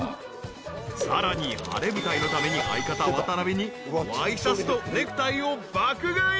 ［さらに晴れ舞台のために相方渡辺にワイシャツとネクタイを爆買い］